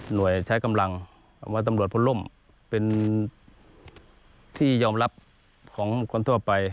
ใช้กำลังว่าตำรวจพลร่มเป็นที่ยอมรับของคนทั่วไป